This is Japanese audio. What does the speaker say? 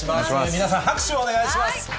皆さん、拍手をお願いします。